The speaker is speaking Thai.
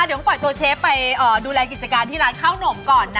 เดี๋ยวต้องปล่อยตัวเชฟไปดูแลกิจการที่ร้านข้าวหนมก่อนนะ